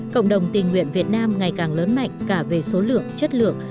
cộng đồng tình nguyện việt nam ngày càng lớn mạnh cả về số lượng chất lượng